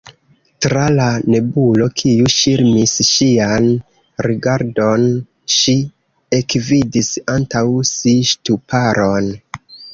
Tra la nebulo, kiu ŝirmis ŝian rigardon, ŝi ekvidis antaŭ si ŝtuparon.